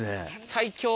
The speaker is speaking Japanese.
最強